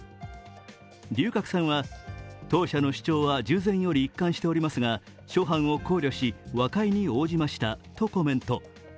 龍角散は当社の主張は従前より一貫しておりますが、諸般を考慮し和解に応じましたとコメント。